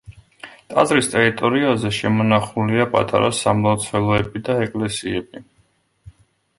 ტაძრის ტერიტორიაზე შემონახულია პატარა სამლოცველოები და ეკლესიები.